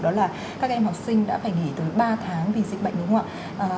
đó là các em học sinh đã phải nghỉ tới ba tháng vì dịch bệnh đúng không ạ